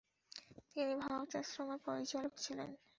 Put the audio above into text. তিনি ভারতাশ্রমের পরিচালক ছিলেন।